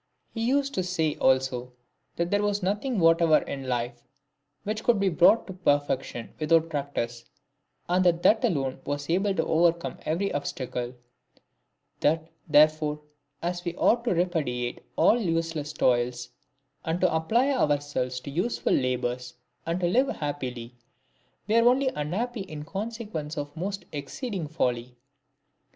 He used to say also, that there was nothing whatever in life which could be brought to perfection without practice, and that that alone was able to overcome every obstacle ; that, therefore, as we ought to repudiate all useless toils, and to apply ourselves to useful labours, and to live happily, we are only unhappy in consequence of most exceeding folly.